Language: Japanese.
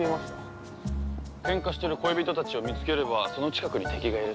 喧嘩してる恋人たちを見つければその近くに敵がいる。